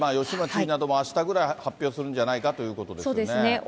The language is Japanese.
吉村知事なども、あしたぐらい、発表するんじゃないかということですね。